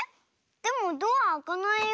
でもドアあかないよ。